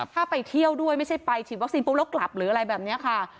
ถ้าไปเที่ยวด้วยไม่ใช่ไปฉีดวัคซีนปุ๊บแล้วกลับหรืออะไรแบบนี้ค่ะ